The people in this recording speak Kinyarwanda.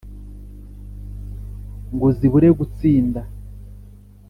ngo zibure gutsinda,